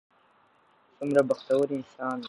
څومره بختور انسان و.